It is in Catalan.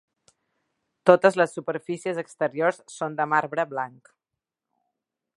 Totes les superfícies exteriors són de marbre blanc.